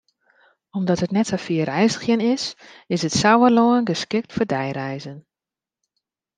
Omdat it net sa fier reizgjen is, is it Sauerlân geskikt foar deireizen.